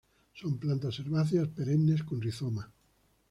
Son plantas herbáceas perennes con rizoma.